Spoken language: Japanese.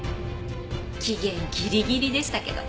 期限ギリギリでしたけど。